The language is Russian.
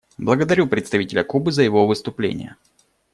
Благодарю представителя Кубы за его выступление.